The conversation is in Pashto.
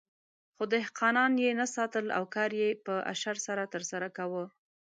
خو دهقانان یې نه ساتل او کار یې په اشر سره ترسره کاوه.